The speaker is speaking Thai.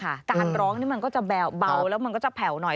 การร้องนี่มันก็จะเบาแล้วมันก็จะแผ่วหน่อย